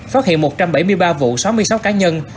phát hiện một trăm bảy mươi ba vụ sáu mươi sáu cá nhân